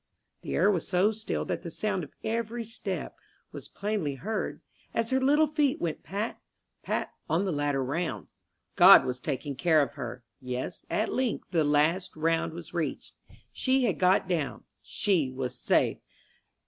The air was so still that the sound of every step was plainly heard, as her little feet went pat, pat, on the ladder rounds. God was taking care of her, yes, at length the last round was reached she had got down she was safe!